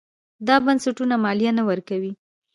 دا بنسټونه مالیه نه ورکوي.